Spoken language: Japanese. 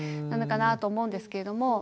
なのかなと思うんですけれども。